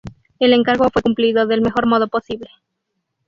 El encargo fue cumplido del mejor modo posible.